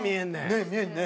ねえ見えんね。